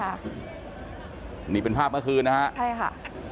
นี่เป็นภาพเมื่อคืนนะฮะใช่ค่ะ